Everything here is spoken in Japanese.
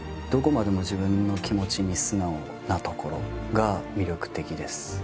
どこまでも自分の気持ちに素直なところが魅力的です